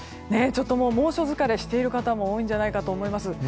猛暑疲れしている人も多いんじゃないかと思います。